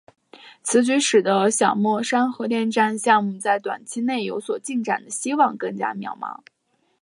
此举使得小墨山核电站项目在短期内有所进展的希望更加渺茫。